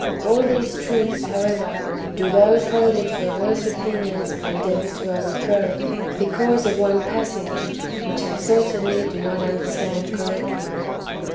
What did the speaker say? ^ All these truths, however, do those holding perverse opinions endeavour to overthrow, because of one passage, which they certainly do not understand correctly.